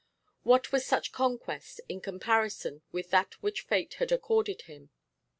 What was such conquest in comparison with that which fate had accorded him?